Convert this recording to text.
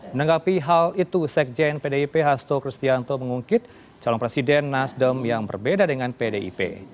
menanggapi hal itu sekjen pdip hasto kristianto mengungkit calon presiden nasdem yang berbeda dengan pdip